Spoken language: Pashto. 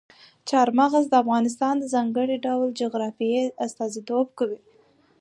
چار مغز د افغانستان د ځانګړي ډول جغرافیې استازیتوب کوي.